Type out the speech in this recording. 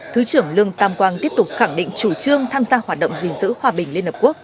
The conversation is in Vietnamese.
thứ trưởng lương tam quang tiếp tục khẳng định chủ trương tham gia hoạt động gìn giữ hòa bình liên hợp quốc